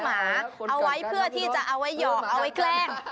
หมาเอาไว้เพื่อที่จะเอาไว้หยอกเอาไว้แกล้ง